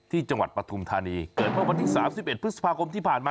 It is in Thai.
ที่จังหวัดประธุมธานีเกิดเมื่อวันที่๓๑พฤษภาคมที่ผ่านมา